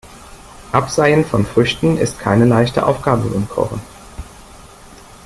Abseien von Früchten ist keine leichte Aufgabe beim Kochen.